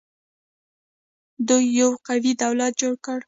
دوی یو قوي دولت جوړ کړ